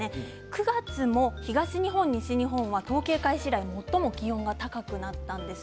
９月も東日本、西日本は統計開始以来最も気温が高くなったんです。